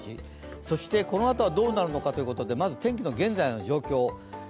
そしてこのあとどうなるのかということで、まず天気の現在の状況。